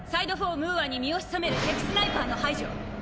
ムーアに身を潜める敵スナイパーの排除。